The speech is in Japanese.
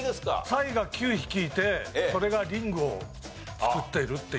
サイが９匹いてそれがリングを作っているっていう。